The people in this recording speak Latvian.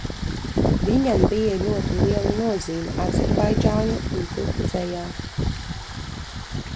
Viņam bija ļoti liela nozīme azerbaidžāņu un turku dzejā.